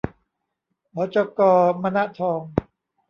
หจก.มนทอง